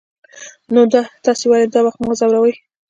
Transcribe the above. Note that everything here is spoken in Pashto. نو تاسې ولې دا وخت ما ځوروئ.